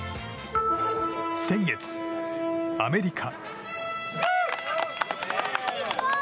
先月、アメリカ。